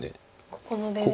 ここの出ですね。